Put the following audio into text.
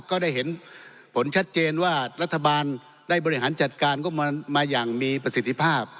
ก็ได้เห็นผลชัดเจนว่ารัฐบาลได้บริหารจัดการก็มาอย่างมีประสิทธิภาพ